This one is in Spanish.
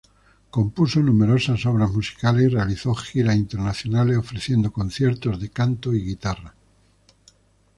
Compuso numerosas obras musicales y realizó giras internacionales ofreciendo conciertos de canto y guitarra.